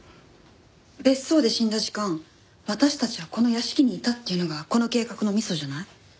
別荘で死んだ時間私たちはこの屋敷にいたっていうのがこの計画のミソじゃない？